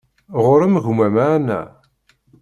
Ɣur-m gma-m a Ana?